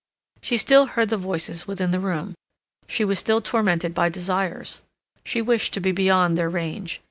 She still heard the voices within the room. She was still tormented by desires. She wished to be beyond their range.